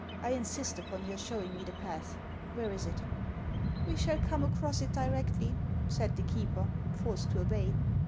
I insist upon your showing me the path ; where is it ?"" We shall come across it directly," said the keeper, forced to obey.